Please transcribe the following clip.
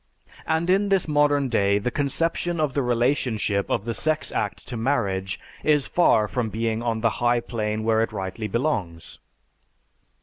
And in this modern day the conception of the relationship of the sex act to marriage is far from being on the high plane where it rightly belongs.